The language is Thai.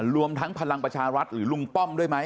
รวมทั้งพลังประชารัฐหรือลุงป้อมด้วยไหม